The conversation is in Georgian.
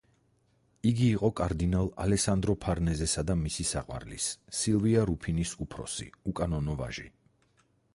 იგი იყო კარდინალ ალესანდრო ფარნეზესა და მისი საყვარლის, სილვია რუფინის უფროსი, უკანონო ვაჟი.